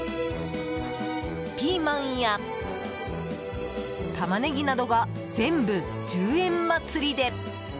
ピーマンや、タマネギなどが全部１０円祭りで！